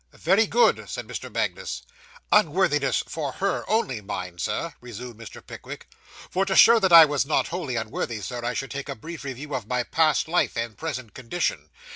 'Very good,' said Mr. Magnus. 'Unworthiness for _her _only, mind, sir,' resumed Mr. Pickwick; 'for to show that I was not wholly unworthy, sir, I should take a brief review of my past life, and present condition.